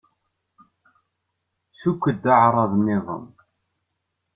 Sukk-d aεṛaḍ-nniḍen.